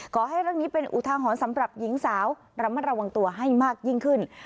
ขอให้เรื่องนี้เป็นอุทาหรณ์สำหรับหญิงสาวระมัดระวังตัวให้มากยิ่งขึ้น